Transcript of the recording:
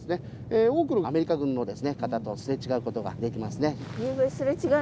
多くのアメリカ軍の方とすれ違うことができますね。